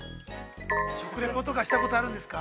◆食レポとかしたことあるんですか。